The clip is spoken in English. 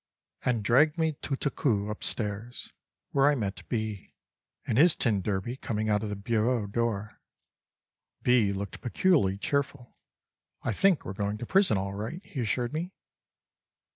And dragged me tout à coup upstairs, where I met B. and his t d coming out of the bureau door. B. looked peculiarly cheerful. "I think we're going to prison all right," he assured me.